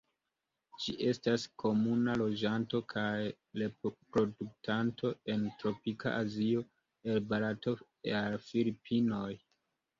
Ĝi estas komuna loĝanto kaj reproduktanto en tropika Azio el Barato al Filipinoj.